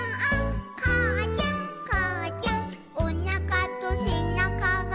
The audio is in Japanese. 「かあちゃんかあちゃん」「おなかとせなかが」